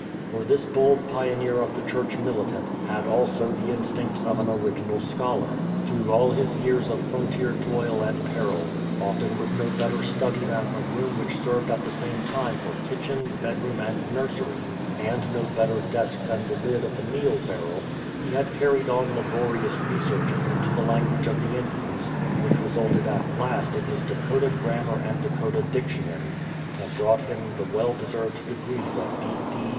For this bold pioneer of the Church militant had also the instincts of an original scholar. Through all his years of frontier toil and peril, often with no better study than a room which served at the same time for kitchen, bedroom, and nursery, and no better desk than the lid of the meal barrel, he had carried on laborious researches into the language of the Indians, which resulted at last in his Dakota Grammar and Dakota Dictionary^ and brought him the well deserved degrees of D.D.